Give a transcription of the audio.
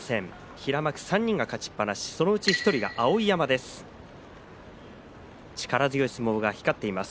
平幕３人が勝ちっぱなしそのうち１人が碧山です。